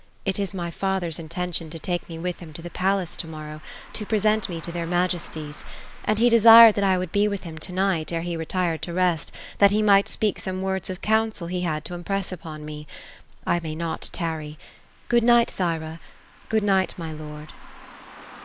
" It is my father's in tention to take me with him to the palace to morrow, to present me to their majesties ; and he desired that I would be with htm to night, ere he retired to rest, that he might speak some words of counsel he had to impress upon me. I may not tarry. Good night, Thyra. Good night, my lord."